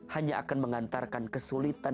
hanya akan mengantarkan kesulitan